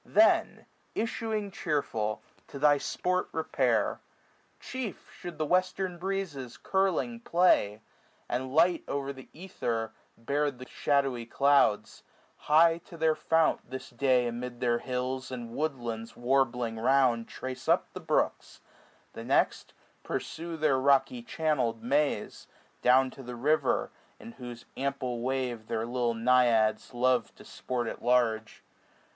Then, issuing cheerful, to thy sport repair ; Chief should the western breezes curling play. And light o'er ether bear the shadowy clouds, 395 High to their fount, this day, amid their hills. And woodlands warbling round, trace up the brooks ; The next, pursue their rocky channel'd maze, Down to the river, in whose ample wave Their little naiads love to sport at large.